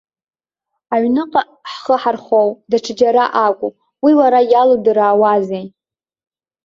Аҩныҟа ҳхы ҳархоу, даҽаџьара акәу, уи уара иалудыраауазеи?